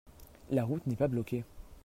La route n'est pas bloquée.